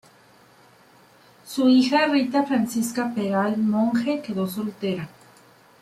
Su hija Rita Francisca Peral Monge quedó soltera.